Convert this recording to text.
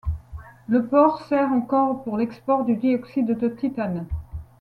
Le port sert encore pour l'export du dioxyde de titane.